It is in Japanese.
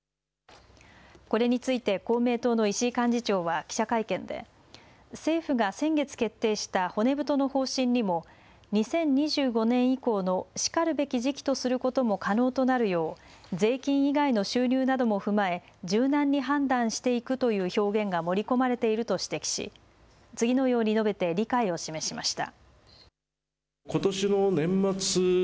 これについて公明党の石井幹事長は記者会見で政府が先月決定した骨太の方針にも２０２５年以降のしかるべき時期とすることも可能となるよう税金以外の収入なども踏まえ柔軟に判断していくという表現が盛り込まれていると指摘し次のように述べて理解を示しました。